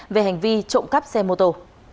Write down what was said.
về hành vi trộm cắp xe mô tô